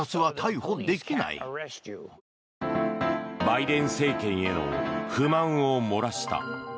バイデン政権への不満をもらした。